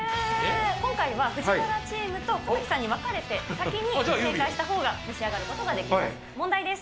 今回はＦＵＪＩＷＡＲＡチームと小瀧さんに分かれて先に正解したほうが召し上がることができます。